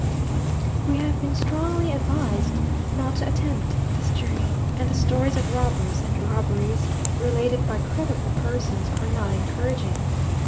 We have been strongly advised not to attempt this journey, and the stories of robbers and robberies, related by credible persons, are not encouraging.